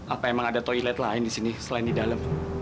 apa emang ada toilet lain di sini selain di dalam